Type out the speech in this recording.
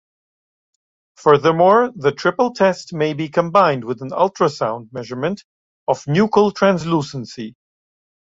Furthermore, the triple test may be combined with an ultrasound measurement of nuchal translucency.